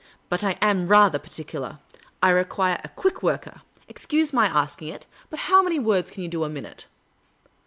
But I am rather particular. I require a quick worker. Excuse my asking it, but how many words can you do a minute